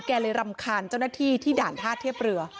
เลยรำคาญเจ้าหน้าที่ที่ด่านท่าเทียบเรือ